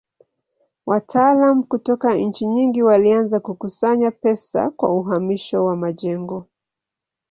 Wataalamu kutoka nchi nyingi walianza kukusanya pesa kwa uhamisho wa majengo.